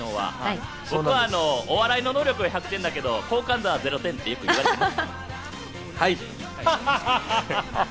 僕は大笑いの能力１００点だけど、好感度は０点ってよく言われます。